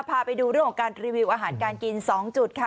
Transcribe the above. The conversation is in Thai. พาไปดูเรื่องของการรีวิวอาหารการกิน๒จุดค่ะ